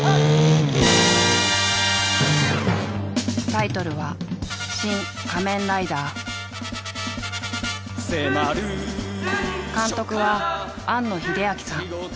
タイトルは監督は庵野秀明さん。